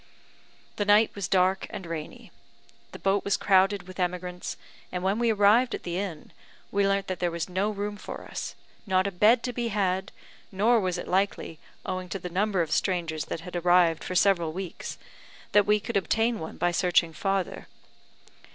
The night was dark and rainy; the boat was crowded with emigrants; and when we arrived at the inn, we learnt that there was no room for us not a bed to be had; nor was it likely, owing to the number of strangers that had arrived for several weeks, that we could obtain one by searching farther.